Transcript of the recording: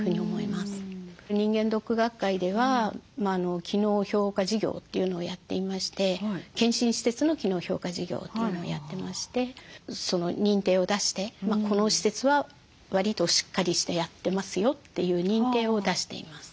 人間ドック学会では機能評価事業というのをやっていまして健診施設の機能評価事業というのをやってまして認定を出してこの施設はわりとしっかりしてやってますよという認定を出しています。